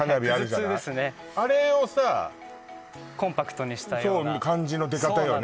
はいはいはいあれをさコンパクトにしたようなそう感じの出方よね